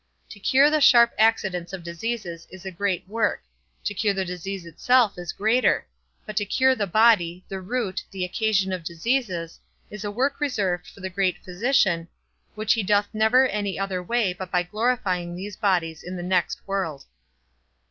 To cure the sharp accidents of diseases is a great work; to cure the disease itself is a greater; but to cure the body, the root, the occasion of diseases, is a work reserved for the great physician, which he doth never any other way but by glorifying these bodies in the next world.